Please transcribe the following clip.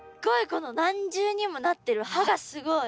この何重にもなってる歯がすごい！